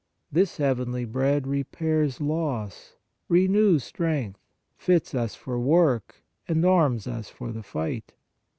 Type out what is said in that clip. This heavenly bread repairs loss, renews strength, fits us for work and arms us for the fight.